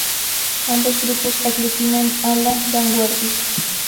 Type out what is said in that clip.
Ambos grupos aglutinan a la vanguardia.